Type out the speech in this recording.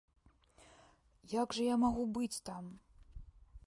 Як жа я магу быць там?